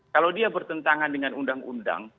kalau dia bertentangan dengan undang undang